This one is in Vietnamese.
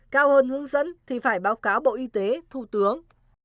cao hơn hướng dẫn thì phải báo cáo bộ y tế thủ tướng